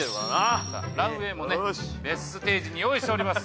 ランウェイもね別ステージに用意しております。